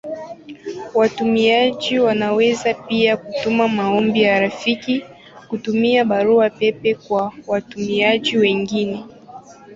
Watumiaji wanaweza pia kutuma maombi ya rafiki kutumia Barua pepe kwa watumiaji wengine.